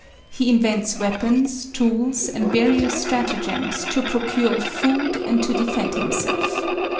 He invents weapons, tools, and various stratagems to procure food and to defend himself.